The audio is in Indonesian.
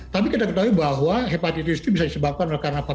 tapi kita ketahui bahwa hepatitis ini bisa disebabkan karena faktor virus lain